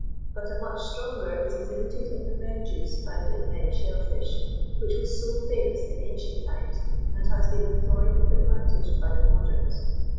But a much stronger is exhibited in the red juice found in many shell fish, which was so famous in ancient times, and has been employed with advantage by the moderns.